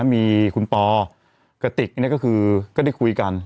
มีคุณปอร์กะติกก็ได้คุยกัน